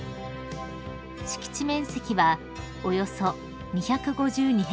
［敷地面積はおよそ２５２ｈａ］